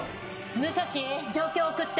武蔵状況を送って。